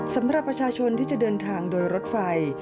สำหรับประชาชนที่จะเดินทางโดยรถไฟ